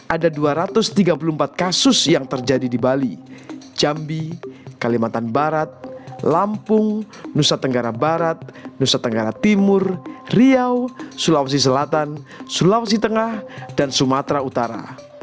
ada dua ratus tiga puluh empat kasus yang terjadi di bali jambi kalimantan barat lampung nusa tenggara barat nusa tenggara timur riau sulawesi selatan sulawesi tengah dan sumatera utara